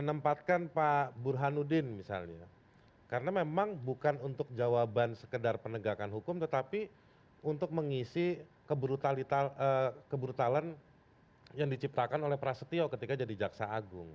di tempatkanlah mafud md produknya sampai hari ini kita belum lihat gitu nah menempatkan pak burhanuddin misalnya karena memang bukan untuk jawaban sekedar penegakan hukum tetapi untuk mengisi keberutalan yang diciptakan oleh prasetyo ketika jadi jaksa agung